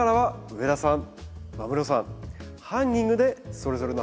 上田さん